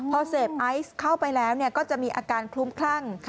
พอเสพไอซ์เข้าไปแล้วก็จะมีอาการคลุ้มคลั่ง